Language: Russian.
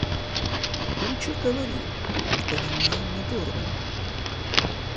Кучер говорил, что она надорвана.